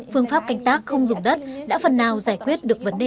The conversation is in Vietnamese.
phương pháp canh tác không dùng đất đã phần nào giải quyết